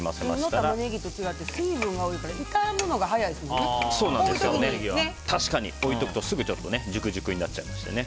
普通のタマネギと違って水分が多いから置いておくと、すぐにジュクジュクになっちゃいますよね。